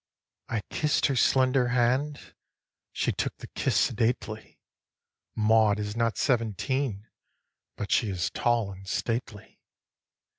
4. I kiss'd her slender hand, She took the kiss sedately; Maud is not seventeen, But she is tall and stately.